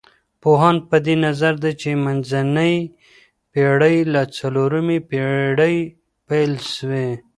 پوهان په دې نظر دي چي منځنۍ پېړۍ له څلورمې پېړۍ پيل سوې.